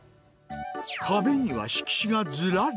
壁には色紙がずらり。